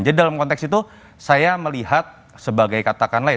jadi dalam konteks itu saya melihat sebagai katakan lain